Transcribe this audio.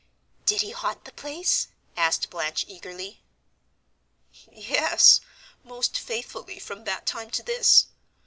"Did he haunt the place?" asked Blanche eagerly. "Yes, most faithfully from that time to this.